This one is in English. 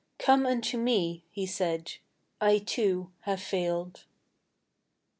Come unto Me,' He said; 'I, too, have failed.